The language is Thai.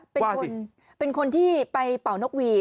ว่าอย่างไรจริงเป็นคนที่ไปเป่านกสวี